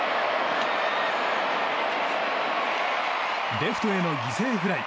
レフトへの犠牲フライ。